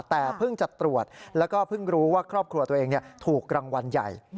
แต่เพิ่งจะตรวจแล้วก็เพิ่งรู้ว่าครอบครัวตัวเองถูกรางวัลใหญ่